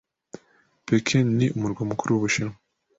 Pekin ni umurwa mukuru w'Ubushinwa.